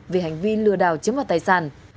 vì hành vi lừa đảo chiếm vào tài sản